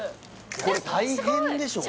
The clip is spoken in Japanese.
これ大変でしょ？